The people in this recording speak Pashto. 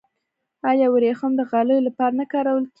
آیا وریښم د غالیو لپاره نه کارول کیږي؟